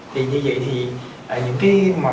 thì như vậy thì những cái mà